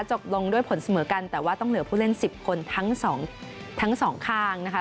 จบลงด้วยผลเสมอกันแต่ว่าต้องเหลือผู้เล่น๑๐คนทั้งสองทั้งสองข้างนะคะ